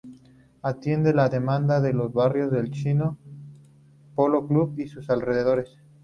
Atiende la demanda de los barrios El Chicó, Polo Club y sus alrededores.